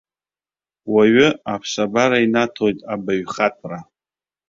Уаҩы аԥсабара инаҭоит абаҩхатәра.